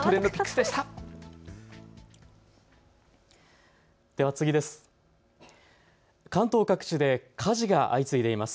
では次です。